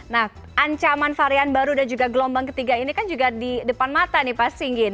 nah ancaman varian baru dan juga gelombang ketiga ini kan juga di depan mata nih pak singgin